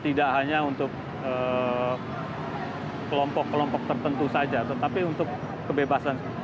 tidak hanya untuk kelompok kelompok tertentu saja tetapi untuk kebebasan